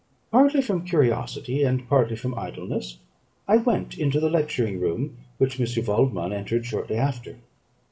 Partly from curiosity, and partly from idleness, I went into the lecturing room, which M. Waldman entered shortly after.